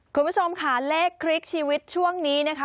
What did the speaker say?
คุณผู้ชมค่ะเลขคลิกชีวิตช่วงนี้นะคะ